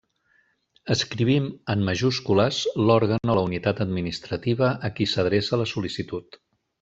Escrivim, en majúscules, l'òrgan o la unitat administrativa a qui s'adreça la sol·licitud.